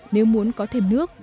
nếu muốn có thêm nước